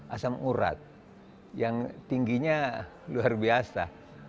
asam urat yang tingginya luar biasa empat belas